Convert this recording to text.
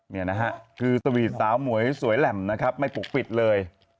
นี่นะฮะคือสวีทสาวหมวยสวยแหลมนะครับไม่ปกปิดเลย